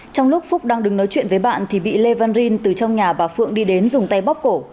trong lúc phúc đang đứng nói chuyện với bạn thì bị lê văn rin từ trong nhà bà phượng đi đến dùng tay bóp cổ